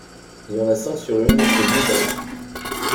Il y en a cinq sur une, et deux sur l'autre.